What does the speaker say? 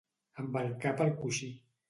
Amb el cap al coixí.